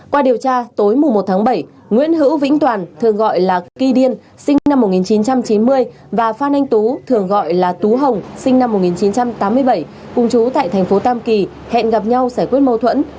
qua điều tra tối một tháng bảy nguyễn hữu vĩnh toàn thường gọi là kỳ điên sinh năm một nghìn chín trăm chín mươi và phan anh tú thường gọi là tú hồng sinh năm một nghìn chín trăm tám mươi bảy cùng chú tại thành phố tam kỳ hẹn gặp nhau giải quyết mâu thuẫn